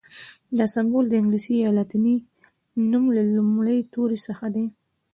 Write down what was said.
دا سمبول د انګلیسي یا لاتیني نوم له لومړي توري څخه دی.